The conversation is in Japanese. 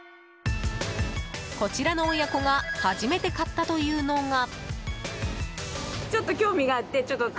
こちらの親子が初めて買ったというのが。